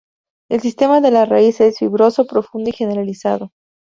El sistema de la raíz es fibroso, profundo y generalizado.